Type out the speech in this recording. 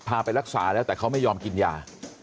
ไปรักษาแล้วแต่เขาไม่ยอมกินยา